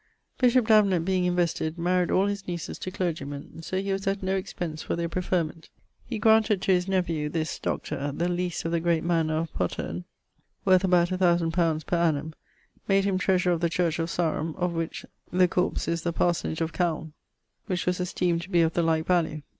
Bishop Davenant being invested, maried all his nieces to clergie men, so he was at no expence for their preferment. He granted to his nephew (this Dr.) the lease of the great mannour of Poterne, worth about 1000 li. per annum; made him threasurer of the church of Sarum, of which the corps is the parsonage of Calne, which was esteemed to be of the like value.